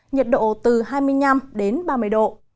nhiệt độ từ hai mươi năm ba mươi độ